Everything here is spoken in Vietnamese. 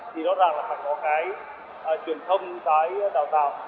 thì rõ ràng là phải có cái truyền thông cái đào tạo